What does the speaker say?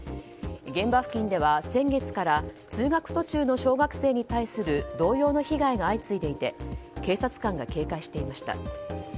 現場付近では先月から通学途中の小学生に対する同様の被害が相次いでいて警察官が警戒していました。